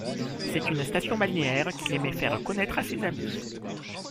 C’est une station balnéaire qu’il aimait faire connaître à ses amis.